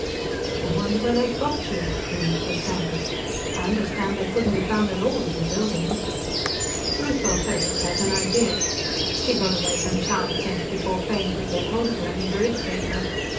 "I wonder where they got to," Coombes was saying. "I understand they couldn't be found at all in the building." "Ruth Ortheris has an idea. She got away from Science Center before Fane could get hold of her and veridicate her.